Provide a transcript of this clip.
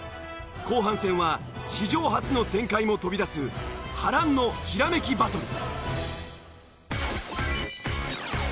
後半戦は史上初の展開も飛び出す波乱のひらめきバトル。